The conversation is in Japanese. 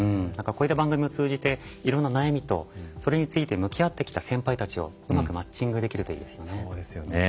こういった番組を通じていろんな悩みとそれについて向き合ってきた先輩たちをうまくマッチングできるといいですよね。